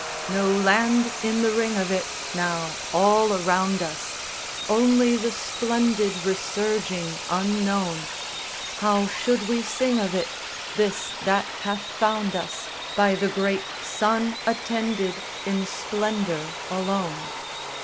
No land in the ring of it Now, all around us Only the splendid Resurging unknown! How should we sing of it? This that hath found us By the great sun attended In splendour, alone.